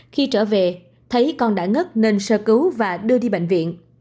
khi trở về thái còn đã ngất nên sơ cứu và đưa đi bệnh viện